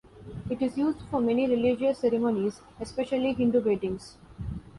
It is used for many religious ceremonies, especially Hindu weddings.